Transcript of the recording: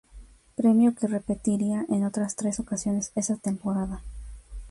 Premio que repetiría en otras tres ocasiones esa temporada.